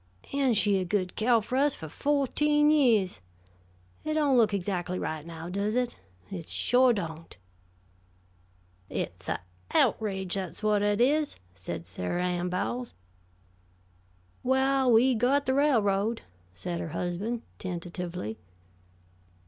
"And she a good cow fer us fer fo'teen yeahs. It don't look exactly right, now, does it? It sho' don't." "It's a outrage, that's whut it is," said Sar' Ann Bowles. "Well, we got the railroad," said her husband, tentatively.